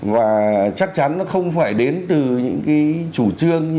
và chắc chắn nó không phải đến từ những cái chủ trương